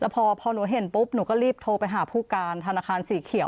พอหนูเห็นปุ๊บหนูก็รีบโทรไปหาผู้การธนาคารสีเขียว